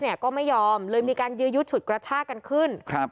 ก็ไม่ยอมเลยมีการยื้อยุดฉุดกระชากันขึ้นครับ